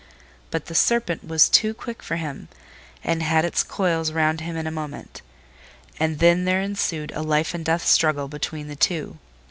But the Serpent was too quick for him and had its coils round him in a moment; and then there ensued a life and death struggle between the two.